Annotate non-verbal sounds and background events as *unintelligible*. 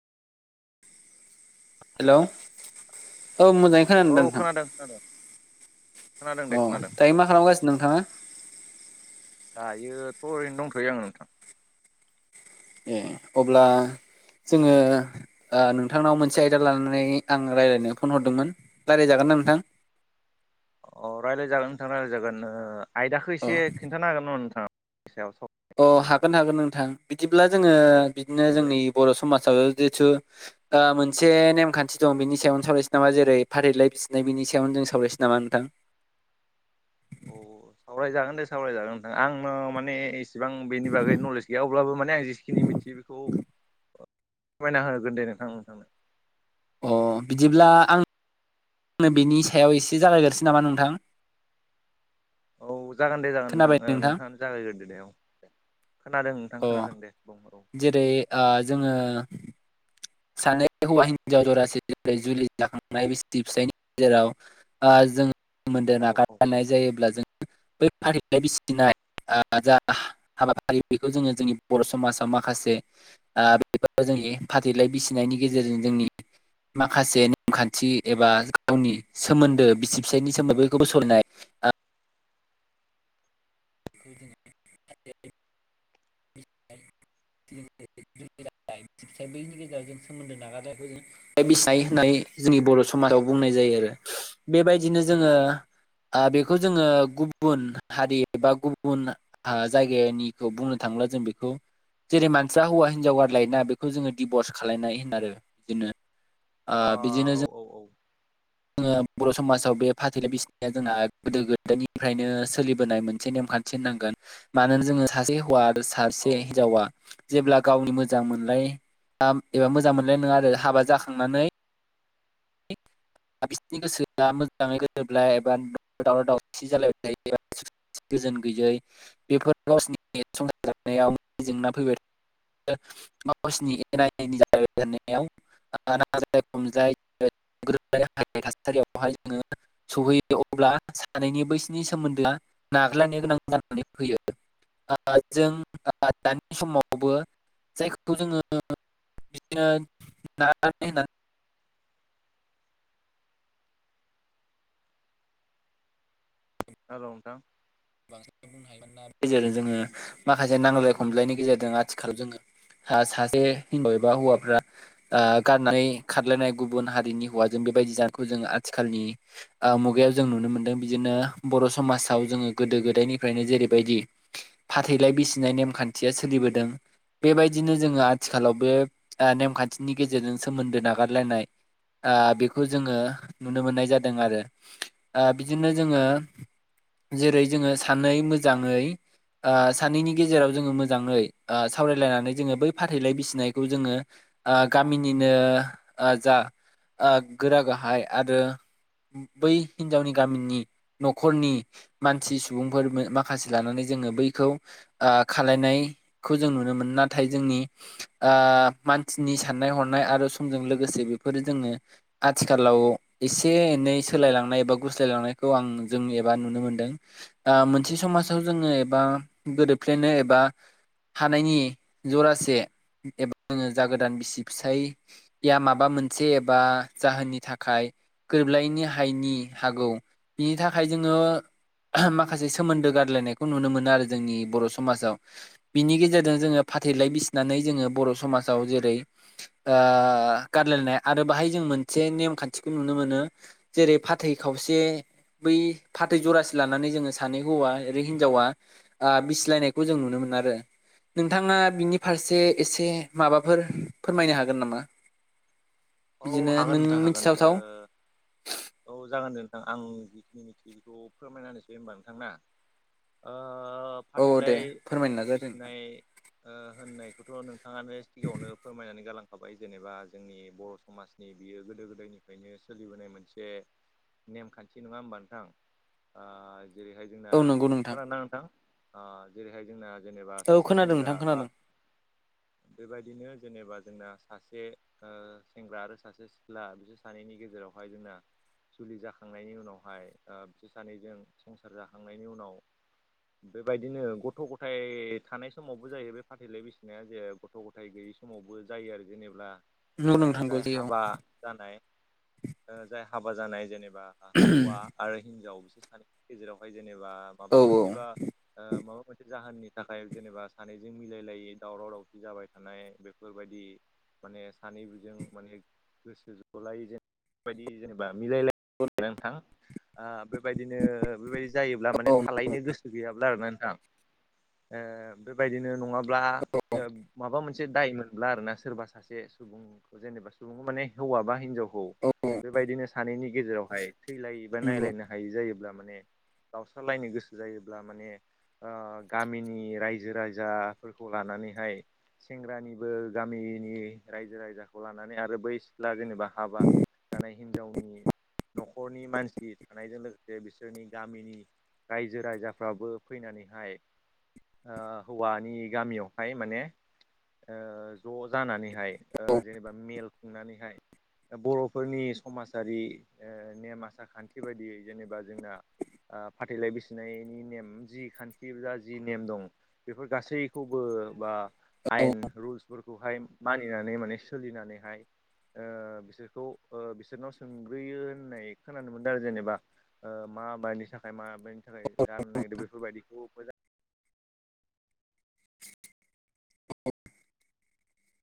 हेल' औ मोजांयै खोनादों औ नोंथां खोनादों खोनादों दे अ खोनादों दायो मा खालामगासिनो नोंथाङा दायोथ' ओरैनो दंथ'यो आङो नोंथां ए अब्ला जोङो दा नोंथांनाव मोनसे आयदा लानानै आं रायज्लायनो फन हरदोंमोन रायज्लायजागोन ना नोंथां? अ रायज्लायजागोन नोंथांा रायजायजागोन ओ आयदाखौ अ एसे खिन्थानो हागोन ना नोंथाङानि सायाव स अ हागोन हागोन नोंथां बिदिब्ला जोङो बिदिनो जोंनि बर' समाजाव जिहेथु ओ मोनसे नेमखान्थि दं बिनि सायावनो सावरायसै नामा जेरै फारिलाइ बिसिनाय बिनि सायावनो जों सावरायसै नामा नोंथां? अ सावरायजागोन दे सावरायजागोन नोंथां आंनो माने इसिबां बेनि बागै नलेज गैया अब्लाबो माने आं जिखिनि मिथियो बेखौ सममायना होगोन दे नोंथां नोंथांनो अ बिदिब्ला आं आंनो बिनि सायाव एसे जागायग्रोसै नामा नोंथां औ जागोन दे जागोन नोंथां ओ नोंथाङानो जागायग्रोदो दे औ दे खोनादों नोंथां अ खोनादों दे दङ र' जेरै आ जोङो सानै हौवा हिनजाव जरासे निफ्राय जुलि जाखांनाय बि फिसायनि गेजेराव आ जों सोमोन्दो औ औ ओ औ नागारनाय जायोब्ला जों बै फारिलाय बिसिनाय आ जा हाबाफारि बेखौ जोङो जोंनि बर' समाजाव माखासे आ बेफोर जोंनि फाथैलाय बिसिनायनि गेजेरजों जोंनि माखासे नेमखान्थि एबा गावनि सोमोन्दो बिसि फिसायनि सोमोन्दै बेखौबो सलिनाय आ बेदिनो *inaudible* बि बैनि गेजेरजों सोमोन्दो नागार बिसाय होननानै जोंनि बर' समाजाव बुंनाय जायो आरो बेबायदिनो जोङो ओ बेखौ जोङो गुबुन हारि बा गुबुन आ जायगानिखौ बुंनो थाङोब्ला जों बेखौ जेरै मानसिया हौवा हिनजाव गारलायोना बेखौ जोङो डिभर्स खालायनाय होनोआरो दिनो अ औ औ औ जोङो बर' समाजाव बे फाथैला बिसिनाया जोंहा गोदो गोदायनिफ्रायनो सोलिबोनाय मोनसे नेमखान थि होननांगोन मानोना जोङो सासे हौवा आरो औ सासे हिनजावा जेब्ला गावनि मोजां मोनाय एबा मोजां मोनाय नङा आरो हाबा जाखांनानै *inaudible* बिसोरनि गोसोआ मोजाङै गोरोब लाया एबा दावराव दावसि जालायबाय थायोबा गोजोन गैयै बेफोर गावसोरनि संसाराव जेंना फैबाय थायो *unintelligible* नांज्लाय खमज्लाय गोरोबलानो हायि थासारियावहाय जोङो सहैयो अब्ला सानैनि बैसोनि सोमोन्दोआ नागारलायनो गोनां जानानै फैयो ओ जों दानि समावबो जायखौ जोङो बिदिनो *unintelligible* हेलौ नोंथां बांसिन बुंनो हायोमोन आरो जेरै जोङो माखासे नांज्लाय खमज्लाय नि गेजेरजों आथिखालाव जोङो सासे हिनजाव एबा हौवाफ्रा ओ गारनानै खारलायनाय गुबुन हारिनि हौवाजों बेबायदि जानायखौ जों आथिखालनि ओ मुगायाव जों नुनो मोनदों बिदिनो बर' समाजाव जोङो गोदो गोदायनिफ्रायनो जेरैबायदि फाथैलाय बिसिनाय नेमखान्थिया सोलिबोदों बेबायदिनो जोङो आथिखालाव बे नेमखान्थिनि गेजेरजों सोमोन्दो नागारलायनाय ओ बेखौ जोङो नुनो मोननाय जादों आरो बिदिनो जोङो जेरै जोङो सानै मोजाङै ओ सानैनि गेजेराव जोङो मोजाङै सावरायलायनानै जोङो बै फाथैलाय बिसिनायखौ जोङो ओ गामिनिनो ओ जा गोरा गाहाय आरो बै हिनजावनि गामिनि न'खरनि मानसि सुबुंफोर माखासे लानानै जोङो बैखौ आ खालायनायखौ जों नुनो मोनो नाथाय जोंनि ओ मानसिनि साननाय हनाय आरो समजों लोगोसे बेफोरो जोङो आथिखालाव एसे एनै सोलायलांनाय एबा गुस्लायलांनायखौ आं जों एबा नुनो मोनदों। दा मोनसे समाजाव जोङो एबा गोरोबफ्लेनो एबा हानायनि जरासे एबा जोङो जागोदान बिसि फिसाय या माबा मोनसे एबा जाहोननि थाखाय गोरोबलायैनि हायैनि हागौ बिनि थाखाय जोङो *unintelligible* माखासे सोमोन्दो गारलायनायखौ नुनो मोनो आरो जोंनि बर' समाजाव बिनि गेजेरजों जोङो फाथैलाय बिसिनानै जोङो बर' समाजाव जेरै ओ गारलायनाया आरो बाहाय जों मोनसे नेमखान्थिखौ नुनो मोनो। जेरै फाथै खावसे बै फाथै जरासे लानानै जोङो सानै हौवा ओरै हिनजावा ओ बिसिलायनायखौ जों नुनो मोनो आरो नोंथाङा बिनि फारसे एसे माबाफोर फोरमायनो हागोन नामा? औ बिदिनो हागोन नों नोंथां हागोन ओ मिथिथावथाव औ जागोन दे नोंथां आं जिखिनि मिथिगौ बेखौ फोरमायना होनसै होनबा नोंथां ना ओ औ दे फाथैलाय फोरमायनो नाजादो नोंथां बिसिनाय ओ होननायखौथ' नोंथाङानो सिगाङावनो फोरमायनानै गालांखाबाय जेनेबा जोंनि बर' समाजनि बियो गोदो गोदायनिफ्रायनो सोलिबोनाय मोनसे नेमखान्थि नङा होमबा नोंथां ओ जेरैहाय जोंना औ नंगौ खोनदोंना नोंथां ओ जेरैहाय जोंना जेनेबा औ सासे खोनादों सेंग्रा नोंथां बा खोनादों बेबायदिनो जेनेबा जोंना सासे ओ। सेंग्रा आरो सासे सिख्ला बिसोर सानैनि गेजेरावहाय जोंना। जुलि जाखांनायनि उनावहाय ओ बिसोर सानैजों। संसार जाखांनायनि उनाव। बेबायदिनो गथ' गथाय थानाय समावबो जायो बे फाथैलाय बिसिनाया जे। गथ' गथाय गैयि समावबो जायो आरो जेनेब्ला। नंगौ ओ नोंथां नंगौ जाय औ हाबा जानाय ओ जाय हाबा जानाय जेनेबा हौवा। आरो हिनजाव बिसोर सानैनि गेजेरावहाय जेनेबा। औ माबा मोनसेबा ओ माबा मोनसे जाहोननि थाखाय जेनेबा सानैजों मिलायलायै दावराव दावसि जाबाय थानाय। बेफोरबायदि माने सानै जों माने गोसो जलाय जेनबा बेबायदि जेनेबा मिलायलायो आरोना नोंथां। आ बेबायदिनो बेबायदि जायोब्ला माने औ थालायनो गोसो गैयाब्ला आरोना नोंथां। ओ बेबायदिनो नङाब्ला ओ माबा मोन से दाय मोनब्ला आरोना सोरबा सासे सुबुंखौ जेनेबा सुबुं माने हौवा बा हिनजावखौ। बेबायदिनो सानैनि गेजेरावहाय थैलायो बा नंगौ नायलायनो हायि जायोब्ला माने। गावस्रालायनो गोसो जायोब्ला माने। ओ गामिनि राय्जो राय्जाफोरखौ लानानैहाय। सेंग्रानिबो गामिनि राय्जो राय्जा। खौ लानानै आरो बै सिख्ला जेनेबा हाबा जानाय हिनजावनि न'खरनि मानसि। थानायजों लोगोसे बिसोरनि गामिनि राय्जो राय्जाफ्राबो फैनानैहाय। ओ हौवानि गामियावहाय माने ओ ज' जानानै। ओ औ जेनेबा मेल खुंनानैहाय। बर'फोरनि समाजारि ओ नेम आसारखान्थि बायदियै जेनेबा जोंना। आ फाथै। बेफोर गासैखौबो बा औ आयेन रुल्सफोरखौहाय मानिनानै माने सोलिनानैहाय। ओ बिसोरखौ ओ बिसोरनाव सोंग्रोयो होननाय खोनानो मोनदों आरो। जेनेबा ओ माबानि थाखाय माबायानि थाखाय गारनो नागिरदों। बेफोरबायादिखौ मोजां।